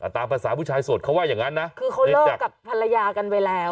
ตามภาษาผู้ชายสดเขาว่าอย่างนั้นนะคือเขาเลิกกับภรรยากันไปแล้ว